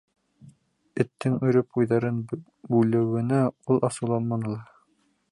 Эттең өрөп уйҙарын бүлеүенә ул асыуланманы ла.